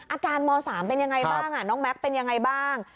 ม๓เป็นยังไงบ้างน้องแม็กซ์เป็นยังไงบ้าง